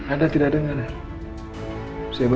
anda tidak dengar ya